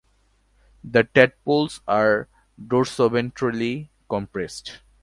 The tadpoles are dorsoventrally compressed.